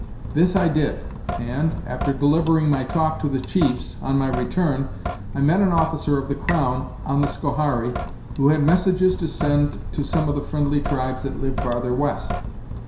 This I did, and, after delivering my talk to the chiefs, on my return, I met an officer of the crown on the Schoharie, who had messages to send to some of the fri'ndly tribes that live farther west.